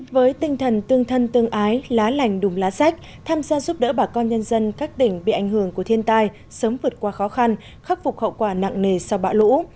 với tinh thần tương thân tương ái lá lành đùm lá rách tham gia giúp đỡ bà con nhân dân các tỉnh bị ảnh hưởng của thiên tai sớm vượt qua khó khăn khắc phục hậu quả nặng nề sau bão lũ